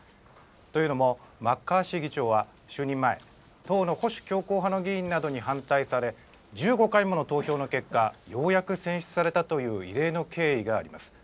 というのも、マッカーシー議長は就任前、党の保守強硬派の議員などに反対され、１５回もの投票の結果、ようやく選出されたという異例の経緯があります。